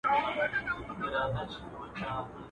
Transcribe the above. دا نړۍ زړه غمجنه پوروړې د خوښیو ..